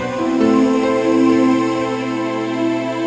kalau jangan baik sama kita